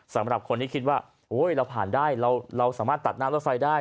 สำหรับคนที่คิดว่าเราผ่านได้เราสามารถตัดหน้ารถไฟได้